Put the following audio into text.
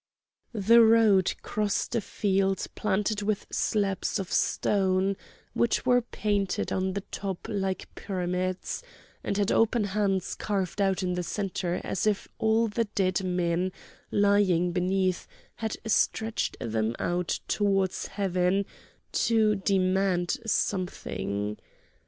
The road crossed a field planted with slabs of stone, which were painted on the top like pyramids, and had open hands carved out in the centre as if all the dead men lying beneath had stretched them out towards heaven to demand something.